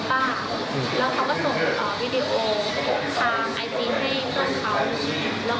แล้วก็เพื่อนเขาบอกว่าโอเคอะไรประมาณนี้แล้วก็มีมือติดขนาดเบอร์หนึ่ง